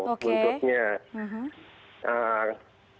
dan sangat panjang